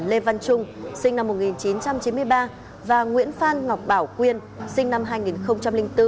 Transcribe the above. lê văn trung sinh năm một nghìn chín trăm chín mươi ba và nguyễn phan ngọc bảo quyên sinh năm hai nghìn bốn